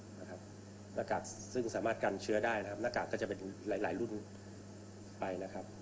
หน้ากากซึ่งสามารถกันเชื้อได้หน้ากากก็จะเป็นหลายรุ่นไป